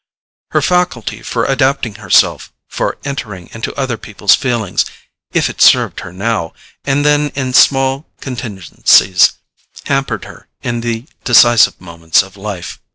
Her faculty for adapting herself, for entering into other people's feelings, if it served her now and then in small contingencies, hampered her in the decisive moments of life.